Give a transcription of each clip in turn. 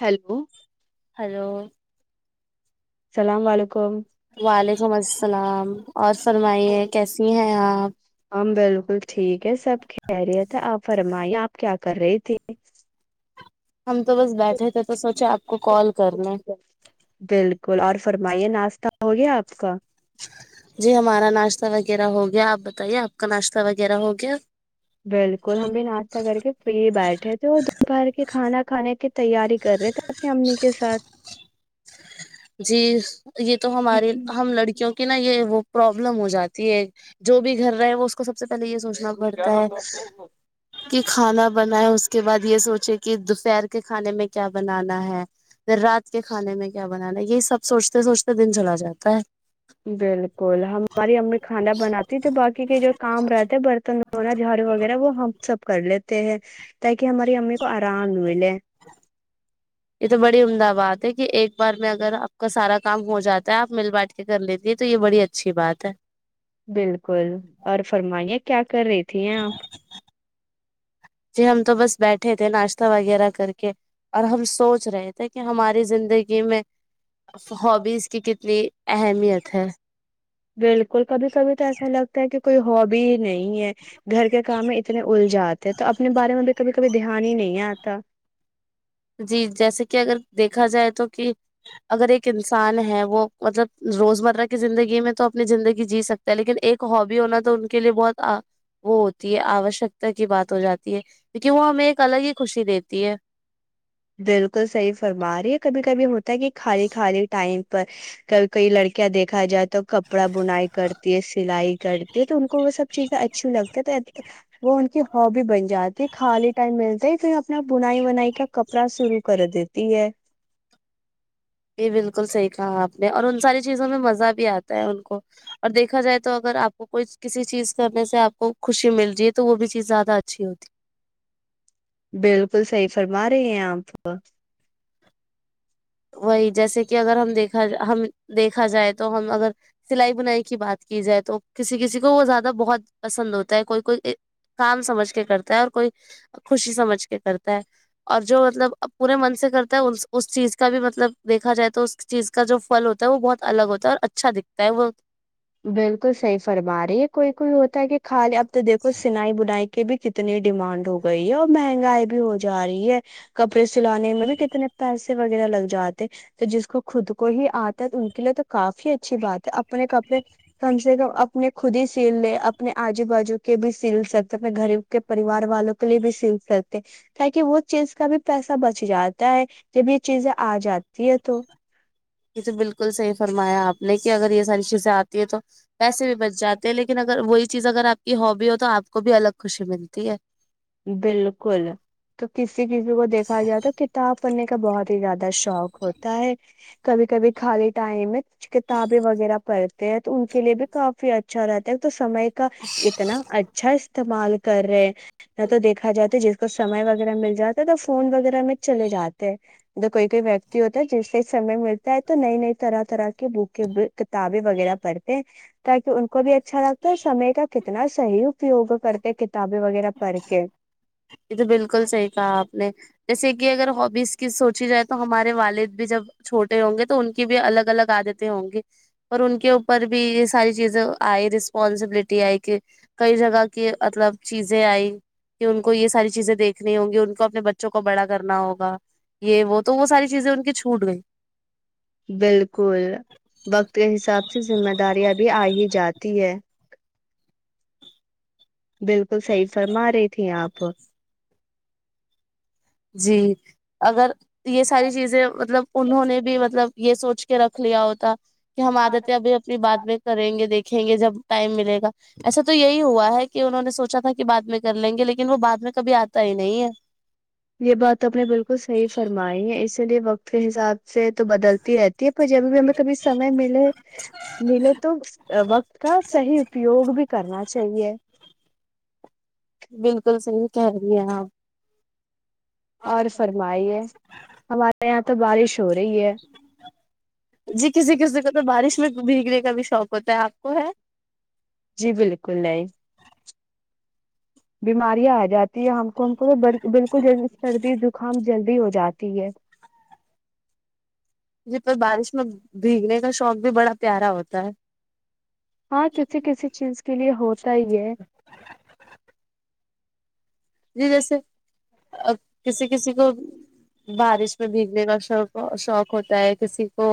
hello hello السلام علیکم وعلیکم الس سلام ہم بالکل ٹھیک ہے سب کہہ رہی تھا آپ فرمائیےپ آپ کیا کر رہے تھے ہم تو بس بیٹھے تھے تو سوچے آپ کو کال کر ل بالکل اور فرمائیے ناشتہ ہو گیا آپ کا جی ہمارا ناشتہ وغیرہ ہو گیا آپ بتائیے آپ کا ناشتہ وغیرہ ہو گیا بالکل ہم بھی ناشتہ کر کے فری بیٹھے تھے اور دوپہر کے کھانا کھانے کی تیاری کر رہے تھے اپنی امی کے ساتھ جی یہ تو ہماری ہم لڑکیوں کی نا یہ وہ پروابلم ہو جاتی ہے جو بھی گھر رہے وہ اس کو سب سے پہلے یہ سوچ تنا کیا بڑتا نام ہے تھا اس کا کہ کھانا بنائے اس کے بعد یہ سوچے کہ دوپہر کے کھانے میں کیا بنانا ہے رات کے کھانے میں کیا بنانا یہی سب سوچتے سوچتے دن چلا جاتا ہے بالکل ہماری امی کھانا بناتی تھے باقی کے جو کام رہتے برتن ہونا جھاڑو وغیرہ وہ ہم سب کر لیتے ہیں ت کہ ہماری امی کو آرام ملے یہ تو بڑی عمدہ بات ہے کہ ایک بار میں اگر آپ کا سارا کام ہو جاتا ہے آپ مل بانٹ کے کر لیتی ہے تو یہ بڑی اچھی بات ہے بالکل اور فرمائے کیا کر رہی تھی ہیں آپ جھر ہم تو بس بیٹھے تھے ناشتہ وغیرہ کر کے اور ہم سوچ رہے تھے کہ ہماری زندگی میں ہابیز کی کتنی اہمیت ہے بالکل کبھی کبھی تو ایسا لگتا ہے کہ کوئی ہبی ہی نہیں ہے گھر کے کام میں اتنے الجاتے ہیں تو اپنے بارے میں بھی کبھی کبھی دھیان ہی نہیں آتا جی جیسے کہ اگر دیکھا جائے تو کہ اگر ایک انسان ہے وہ مطلب روز مرہ کی زندگی میں تو اپنی زندگی جی سکتا ہے لیکن ایک ہابی ہونا تو ان کے لیے بہت وہ ہوتی ہے آوشکتا کی بات ہو جاتی ہے کیکہ وہ ہمیں ایک الگ ہی خوشی دیتی ہے بالکل صحیح فرما رہی ہے کبھی کبھی ہوتا ہے کہ خالی خالی ٹائم پر کبھی کئی لڑکیاں دیکھا جات تو کپڑا بنائی کرتی ہے سلائی کرتے تو ان کو وہ سب چیزیں اچھی لگتی ہے تو وہ ان کی ہابی بن جاتی خالی ٹائم ملتا ہے اپنا بنائی وائی کا کپڑا سرو کر دیتی تی ہیں یہ بالکل صحیح کہا آپ نے اور ان ساری چیزوں میں مزہ بھی آتا ہے ان کو اور دیکھا جائے تو اگر آپ کو کوئی کسی چیز کرنے سے آپ کو خوشی مل رہی ہے تو وہ بھی چیز زیادہ اچھی ہوتی بالکل صحیح فرما رہے ہیں آپ وہی جیسے کہ اگر ہم دیکھا ہم دیکھا جائے تو ہم اگر سلائی بنائی کی بات کی جائے تو کسی کسی کو وہ زیادہ بہت پسند ہوتا ہے کوئی کوئی کام سمجھ کے کرتا ہے اور کوئی خوشی سمجھ کے کرتا ہے اور جو مطلب پورے من سے کرتا ہے اس چیز کا بھی مطلب دیکھا جائے تو اس چیز کا جو فل ہوتا ہے وہ بہت الگ ہوتا ہے اور اچھا دکھتا ہے وہ بالکل صحیح فرما رہی ہے کوئی کوئی ہوتا ہے کہ خالی اب تو دیکھو سلائی بنائی کہ بھی کتنی ڈیمانڈ ہو گئی ہے اور مہنگائی بھی ہو جا رہی ہے کپڑے سلانے میں بھی کتنے پیسے وغیرہ لگ جاتے تو جس کو خود کو ہی آتا ہے ان کے لیے تو کافی اچھی بات ہے اپنے ک کم سے کم اپنے خود ہی سیل لے اپنے آجو بازو کے بھی سیل سکتے اپنے گریب کے پریوار والوں کے لیے بھی سل سکتے تہ وہ چیز کا بھی پیسہ بچ جاتا ہے جب یہ چیزیں آ جاتی ہے تو یہ تو بالکل صحیح فرمایا آپ نے کہ اگر یہ ساری چیزیں آتی ہے تو پیسے بھی بچ جاتے لیکن اگر وہی چیز اگر آپ کی ہابی ہو تو آ کو بھی الگ خوشی ملتی ہے بالکل تو کسی کسی کو دیکھا جائے تو کتاب پڈنے کا بہت ہی زیادہ شوق شوق ہوتا ہے کبھی کبھی خالی ٹائم میں کچ کتابیں وغیرہ پڑھتے ہیں تو ان کے لیے بھی کافی اچھا رہتا ہے تو سمے کا اتنا اچھا استعمال کر رہے ہیں نہ تو دیکھا جاتا جس کو سمے وغیرہ مل جاتا ہے تو فون وغیرہ میں چلے جاتے ہیں کوئی کوئی ویکتی ہوتا ہے جس سے سمے ملتا ہے تو نئی نئی طرح طرح کی بک کتابیں وغیرہ پڑھتے ہیں تاکہ ان کو بھی اچھا لگتا ہے سمے کا کتنا صحیح اپیوگ کرتے کتابیں وغیرہ کرکے یہ تو بالکل صحیح کہا آپ نے جیسے کہ اگر ہوبیز کہ سوچی جائے تو ہمارے والد بھی جب چھوٹے ہوں گے تو ان کی بھی الگ الگ عادتیں ہوں گی پر ان کے اوپر بھی یہ ساری چیزیں آئی رسپانسبلٹی آئی کہ کئی جگہ کی مطلب چیزیں آئی کہ کو یہ ساری چیزیں دیکھنی ہوں گی ان کو اپنے بچوں کو بڑا کرنا ہوگا یہ وہ تو وہ ساری چیزیں ان کی چھوٹ گئی بالکل وقت کے حساب سے ذمہ داریاں بھی آ ہی جاتی ہے بالکل صحیح فرما رہی تھی آپ جی اگر یہ ساری چیزیں مطلب انہوں نے بھی مطلب یہ سوچ کے رکھ لیا ہوتا کہ ہم آ دیتے ہیں ابھی اپنی بات میں کریں گے دیکھیں گے جب ٹائم ملے گا ایسا تو یہی ہوا ہے کہ انہوں نے سوچا تھا کہ بعد میں کر لیں گے لیکن وہ بعد میں کبھی آتا ہی نہیں ہے یہ بات آپ نے بالکل صحیح فرمائی ہے اسی لیے وقت حساب سے تو بدلتی رہتی ہے پر جب بھی ہمیں کبھی سمے ملے ملے تو وقت کا صحیح اپیوگ بھی کرنا چاہیے بالکل صحی کہہ رہی ہیں آپ اور فرمائیے ہمارے یہاں تو بارش ہو رہی ہے جی کسی کسی کو تو بارش میں بھیگنے کا بھی شوق ہوتا ہے آپ کو ہے جی بالکل نہیں بیماریاں آ جاتی ہے ہم کو ہم کو ب بالکل جل سردی دکام جلدی بھی ہو جاتی ہے مجھے پر بارش میں بھیگنے کا شوق بھی بڑا پیارا ہوتا ہے ہاں کسی کسی چیز کے لیے ہوتا ہی ہے جی جیسے کسی کسی کو بارش میں بھیگنے کا شوق شوق ہوتا ہے کسی کو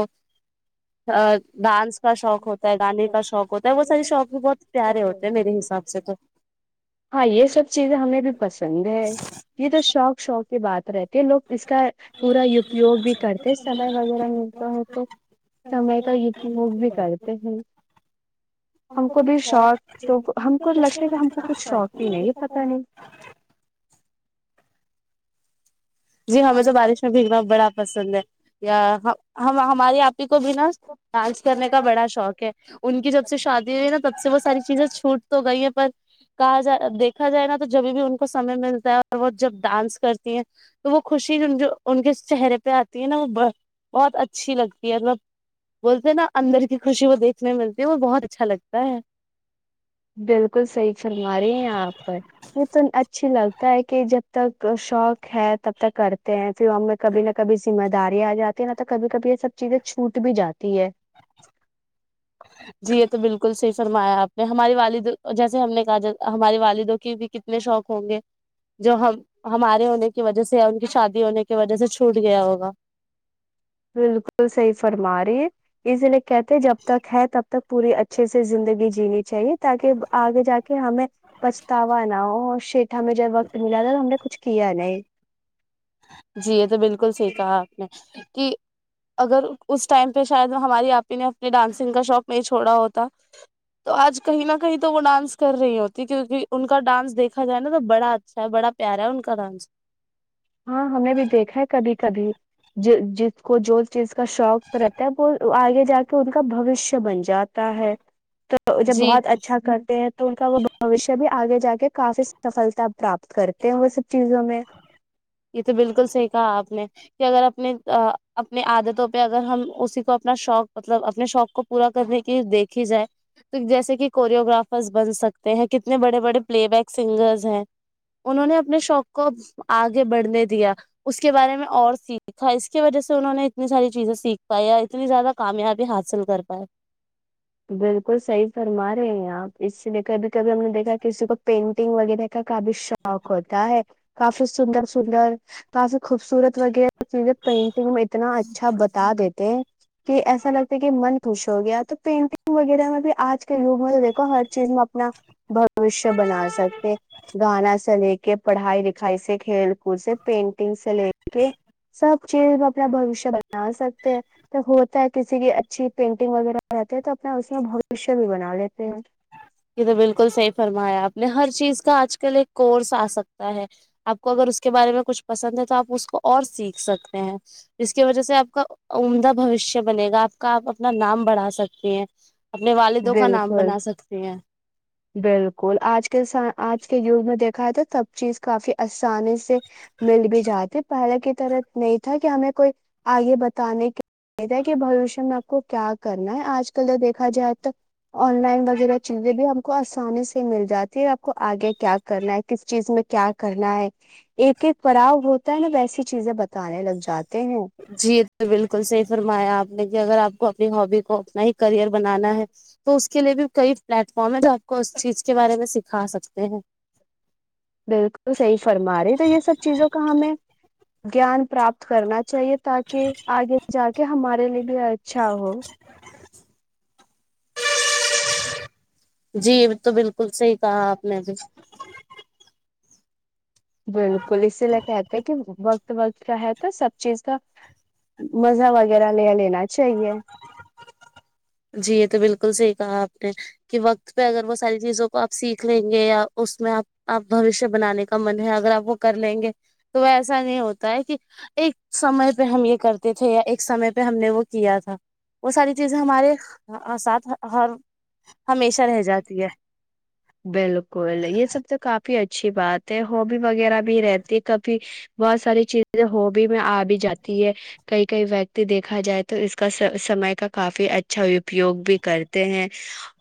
ڈانس کا شوق ہوتا ہے گانے کا شوق ہوتا ہے وہ سار شوق بھی بہت پیارے ہوتے ہیں میرے حساب سے تو ہاں یہ سب چیزیں ہمیں بھی پسند ہے یہ تو شوک شوک کے بات رہتے لو اس کا پورا اپیوگ بھی کرتے سمئے وغیرہ ملتا ہے تو سمے کا اپیوگ بھی کرتے ہیں ہم کو بھی شوق تو ہم کو لشے کا ہم کو کچھ شوق ہی نہیں ہے پت نہیں جی ہمیں تو بارش میں بھیگنا نہیں بڑا پسند ہے یا ہم ہمارے آپ کو بھی نا ڈانس کرنے کا بڑا شوق ہے ان کی جب سے شادی ہوئی ہے نا تب سے وہ ساری چیزیں چھوٹ تو گئی ہے پر کہا جائے دیکھا جائے نا تو جبھی بھی ان کو سمے ملتا ہے اور وہ جب ڈانس کرتی ہیں تو وہ خوشی جو ان کے چہرے پہ آتی ہے نا وہ بہت اچھی لگتی ہے مطلب بولتے ہیں نا اندر کی خوشی وہ دیکھنے میں ملتی ہے وہ بہت اچھا لگتا ہے بالکل صحیح فرما رہے ہیں یہاں پر تو اچھی لگتا ہے کہ جب ب تک شوق ہے تب تک کرتے ہیں پھر ہم میں کبھی نہ کبھی ذمہ داری آ جاتی ہے نہ تو کبھی کبھی یہ سب چیزیں چھوٹ بھی جاتی ہے جی یہ تو بالکل صحیح فرمایا آپ نے ہماراری والد جیسے ہم نے کہا ج ہمارے والدوں کی بھی کتنے شوق ہوں گے جو ہم ہمارے ہونے کی وجہ سے یا ان کی شادی ہونے کی وجہ سے چھوٹ گیا ہوگا بالکل صحیح فرما رہی ہے اس لیے کہتے جب تک ہے تب تک پوری اچھے سے زندگی جینی چاہیے تاکہ آگے جا کے ہمیں پچھتاوا نہ ہو شٹ ہمیں جب وقت ملا تھا تو ہم نے کچھ کیا نہیں جی یہ تو بالکل صحی کہا آپ نے کہ اگر اس ٹائم پہ شاید ہماری آپ ہی نے اپنی ڈانسنگ کا شوق نہیں چھوڑا ہوتا تو آج کہیں نہ کہیں تو وہ ڈانس کر رہی ہوتی کیونکہ ان کا ڈانس دیکھا جائے نا تو بڑا اچھا ہے بڑا پیارا ہے ان کا ڈانس ہاں ہم نے بھی دیکھا ہے کبھی کبھی جس کو جو چیز کو کا شوق تو رہتا ہےب آگے ج کے ان کا بوشیہ بن جائے جاتا ہے تو جب جی بہت اچھا کرتے ہیں تو ان کا وہ بوشیہ بھی آگے جا کے کافی سفلتا پراپت کرتے ہیں وہ سب چیزوں میں یہ تو بالکل صحیح کہا آپ نے کہ اگر اپنے اپنی عادتوں پہ اگر ہم اسی کو اپنا شوق مطلب اپنے شوق کو پورا کرنے کی دیکھی جائے تو جیسے کہ کوریوگررافرس بن سکتے ہیں کتنے بڑے بڑے پلے بیک سنگرس ہیں انہوں نے اپنے شوق کوگ گے بڑھنے دیا اس کے بارے میں اور سیکھا اس کی وجہ سے انہوں نے اتنی ساری چیزیں سیکھ پائی اتنی زیادہ کامیابی حاصل کر پائے بالکل صحیح فرما رہے ہیں آپ اس لیے کبھی کبھی ہم نے دیکھا کسی کو پینٹنگ وغیرہ کا کافی شوق ہوتا ہے کافی سندر سندر کافی خوبصورت وغیرہ چزیں پینٹنگ میں اتنا اچھا بتا دیتے ہیں کہ ایسا لگتا کہ من خوش ہو گیا تو پینٹنگ وغیرہ میں بھی آج کے گ میں تو دیکو ہر چیز میں اپنا بوشیہ بنا سکتے گانا سے لے کے پڑھائی لکھائی سے کھیل کود سے پینٹنگ سے لے کے سب چیز میں اپنا بوشیہ بنا سکتے ہیں جب ہوتا ہے کسی کی اچھی پینٹنگ وغیرہ رہتے ہے تو اس میں بوشیہ بھی بنا لیتے ہیں یہ تو بالکل صحیح فرمایا آپ نے ہر چیز کا آج کل ایک کورس آ سکتا ہے آپ کو اگر اس کے بارے میں کچھ پسند ہے تو آپ اس کو اور سیکھ سکتے ہیں ج کی وجہ سے آپ کا عمدہ بوشیہ بنے گا آپ کا آپ اپنا نام بڑھا سکتی ہیں اپنے والدوں کا نام بالکل بنا سکتے بالکل آج کے س آج کے گ میں دیک سب چیز کافی آسانی سے مل بھی جاتی پہلے کی طرح نہیں تھا کہ ہمیں کوئی آگے بتانے کے نہیں تھا کہ بوشیہ میں آپ کو کیا کرنا ہے آج کل ج دیکھا جائے آن لائن وغیرہ چیزیں بھی ہم کو آسانی سے مل جاتی ہے آپ کو آگے کیا کرنا ہے کس چیز میں کیا کرنا ہے ایک ایک پڑاؤ ہوتا ہے نا ویسی چیزیں بتانے لگ جاتی کہینو جی یہ تو بالکل صحی فرمایا آپ نے کہ اگر آپ کو اپنی ہبی کو اپنا ہی کرئر بنانا ہے تو اس کے لیے بھی کئی پلیٹ فارم ہے جو آپ کو اس چیز کے بارے میں سکھا سکتے ہیں بالکل صحیح فرما رہی تو یہ سب چیزوں کا ہمیں گان پراپت کرنا چاہیے تاکہ آگے جا کے ہمارے لیے بھی اچھا ہو جی تو بالکل کل سے ہی کہا آپ نے ابھی بالکل اسی لے کہ آتے ہیں کہت کا ہے تو سب چیز کا مزہ وغیرہ لے لینا چاہیے جی یہ تو بالکل صحی کہا آپ نے کہ وقت پہ اگر وہ ساری چیزوں کو آپ سیکھ لیں گے یا اس میں آپ آپ بوشیہ بنانے کا من ہے اگر آپ وہ کر لیں گے تو ایسا نہیں ہوتا ہے کہ توچ ایک سمے پہ ہم یہ کرتے تھے یا ایک سمے پہ پہ ہم نے وہ کیا تھا وہ ساری چیزیں ہمارے ساتھ ہر ہمیشہ رہ جاتی ہے بالکل یہ سب تو کا ی اچھی بات ہے ہبی وغیرہ بھی رہتی ہے کفھی بہت ساری چیزیں ہبی میں آ بھی جاتی ہے کئی کئی ویکتی دیکھا جائے تو اس کا سمے کا کافی اچھا اپپیوگ بھی کرتے ہیں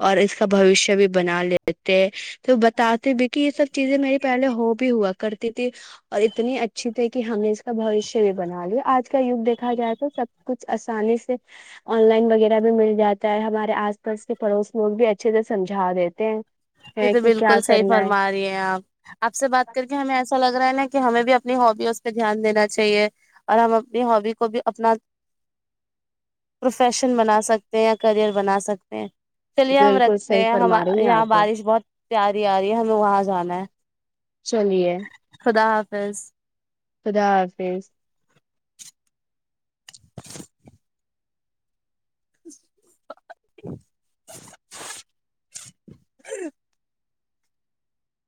اور اس کا بوشیہ بھی بنا لیتے تو بتاتے بھی کہ یہ سب چیزیں میری پہلے ہو بھی ہوا کرتی تھی اور اتنی اچھی تھی کہ ہم نے اس کا بوشیہ بھی بنا لیا آج کا یگ دیکا جائے تو سب کچھ آسانی سے آن لائن وغیرہ بھی مل جاتی ہوتا ہے ہمارے آس پاس کے پڑوس لوگ بھی اچھے سے سمجا دیتے ہیں یہ ہے تو کہ کیا بالکل صحیح کرنا ہے فرما رہی ہیں آپ آپ سے بات کر کے ہمیں ایسا لگ رہا ہے نا کہ ہمیں بھی اپنی ہبی اس پہ دھیان دینا چاہیے اور ہم اپنی ہابی کو بھی اپنا پروفیشن بنا سکتے ہیں یا کریئر بنا سکتے ہیں چلیے ہم بالکل رکھتے صحیح ہیں ہم فرما رہی ہیں یہاں آپ بارش بہت تیاری آ رہی ہے ہمیں وہاں جانا ہے چلیے فس [unintelligible] خدا حافظ ہ [unintelligible]